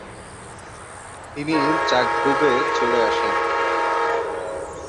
তিনি জাগবুবে চলে আসেন।